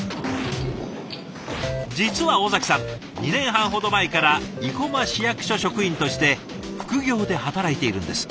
実は尾崎さん２年半ほど前から生駒市役所職員として副業で働いているんです。